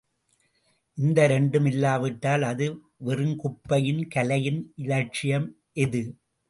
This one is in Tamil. இந்த இரண்டும் இல்லாவிட்டால் அது வெறும் குப்பை கலையின் இலட்சியம் எது?